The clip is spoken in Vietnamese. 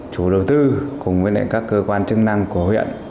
chủ đầu tư cùng với các cơ quan chức năng của huyện